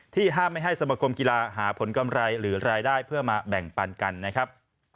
ห้ามไม่ให้สมคมกีฬาหาผลกำไรหรือรายได้เพื่อมาแบ่งปันกันนะครับ